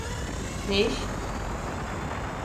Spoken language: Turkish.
Ne iş?